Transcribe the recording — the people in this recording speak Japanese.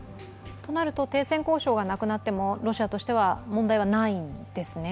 となると停戦交渉がなくなってもロシアとしては問題はないんですね？